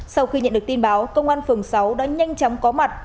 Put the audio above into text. sau khi nhận được tin báo công an phường sáu đã nhanh chóng có mặt